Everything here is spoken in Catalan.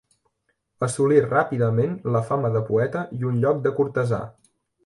Assolí ràpidament la fama de poeta i un lloc de cortesà.